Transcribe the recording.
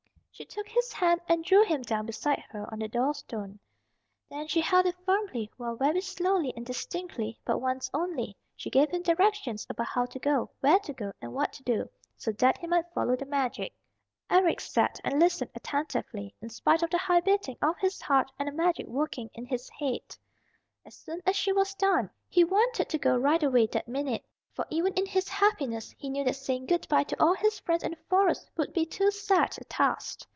She took his hand and drew him down beside her on the door stone. Then she held it firmly while very slowly and distinctly, but once only, she gave him directions about how to go, where to go and what to do, so that he might follow the magic. Eric sat and listened attentively, in spite of the high beating of his heart, and the magic working in his head. As soon as she was done, he wanted to go right away that minute. For even in his happiness he knew that saying good by to all his friends in the Forest would be too sad a task.